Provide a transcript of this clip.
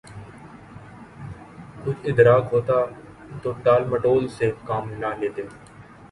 کچھ ادراک ہوتا تو ٹال مٹول سے کام نہ لیتے۔